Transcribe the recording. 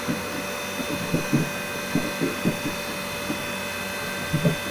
কথা ছিল না একটা মানুষের সামনে কথা বলার।